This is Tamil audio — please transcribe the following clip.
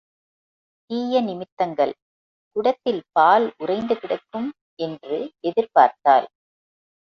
தீய நிமித்தங்கள் குடத்தில் பால் உறைந்து கிடக்கும் என்று எதிர் பார்த்தாள்.